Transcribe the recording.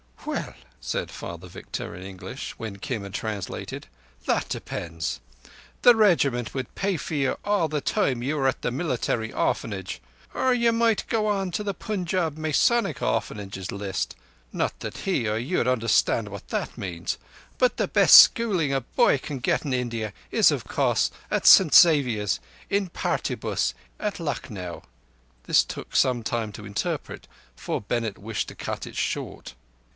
"Well," said Father Victor in English, when Kim had translated, "that depends. The Regiment would pay for you all the time you are at the Military Orphanage; or you might go on the Punjab Masonic Orphanage's list (not that he or you 'ud understand what that means); but the best schooling a boy can get in India is, of course, at St Xavier's in Partibus at Lucknow." This took some time to interpret, for Bennett wished to cut it short.